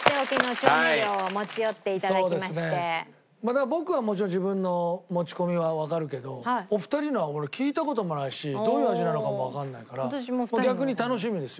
だから僕はもちろん自分の持ち込みはわかるけどお二人のは俺聞いた事もないしどういう味なのかもわかんないから逆に楽しみですよ。